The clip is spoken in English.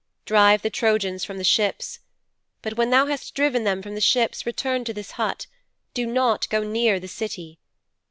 Drive the Trojans from the ships. But when thou hast driven them from the ships, return to this hut. Do not go near the City.